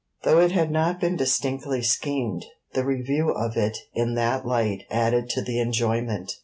Though it had not been distinctly schemed, the review of it in that light added to the enjoyment.